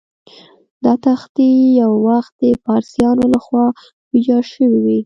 دا تختې یو وخت د پارسیانو له خوا ویجاړ شوې وې.